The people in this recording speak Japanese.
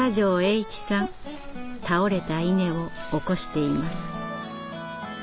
倒れた稲を起こしています。